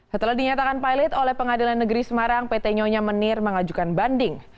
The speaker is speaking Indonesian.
setelah dinyatakan pilot oleh pengadilan negeri semarang pt nyonya menir mengajukan banding